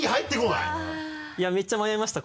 いやめっちゃ迷いました